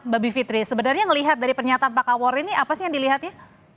mbak bivitri sebenarnya ngelihat dari pernyataan pak kawor ini apa sih yang dilihatnya